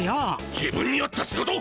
自分に合った仕事？